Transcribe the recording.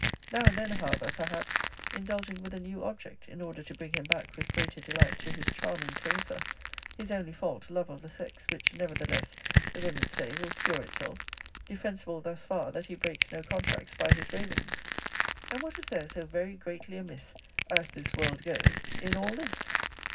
Now and then however, perhaps, indulging with a new object, in order to bring him back with greater delight to his charming Clarissa his only fault, love of the sex which, nevertheless, the women say, will cure itself defensible thus far, that he breaks no contracts by his rovings.' And what is there so very greatly amiss, AS THE WORLD GOES, in all this?